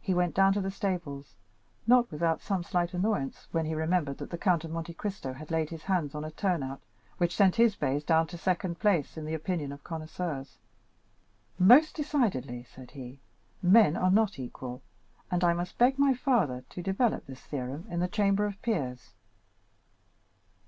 He went down to the stables, not without some slight annoyance, when he remembered that the Count of Monte Cristo had laid his hands on a "turnout" which sent his bays down to second place in the opinion of connoisseurs. "Most decidedly," said he, "men are not equal, and I must beg my father to develop this theorem in the Chamber of Peers."